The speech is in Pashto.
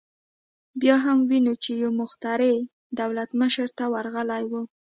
بیا هم وینو چې یو مخترع دولت مشر ته ورغلی و